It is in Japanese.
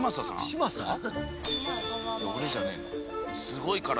すごい体。